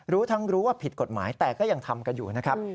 รู้ทั้งรู้ว่าผิดกฎหมายแต่ก็ยังทำกันอยู่นะครับ